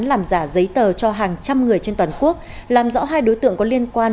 làm giả giấy tờ cho hàng trăm người trên toàn quốc làm rõ hai đối tượng có liên quan